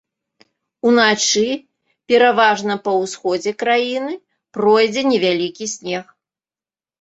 Уначы пераважна па ўсходзе краіны пройдзе невялікі снег.